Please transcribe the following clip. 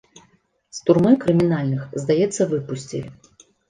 З турмы крымінальных, здаецца, выпусцілі.